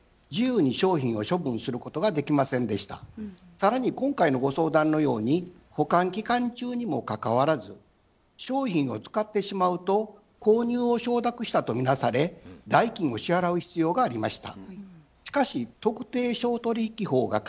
更に今回のご相談のように保管期間中にもかかわらず商品を使ってしまうと購入を承諾したとみなされ代金を支払う必要がありました。